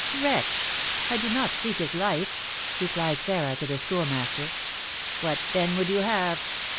"Wretch! I do not seek his life," replied Sarah to the Schoolmaster. "What, then, would you have?"